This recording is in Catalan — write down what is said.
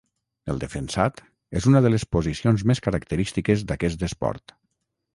El defensat és una de les posicions més característiques d'aquest esport.